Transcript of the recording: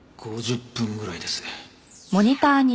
５０分ぐらいです。